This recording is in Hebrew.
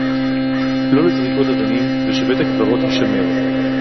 לא זריקות אבנים, ושבית-הקברות יישמר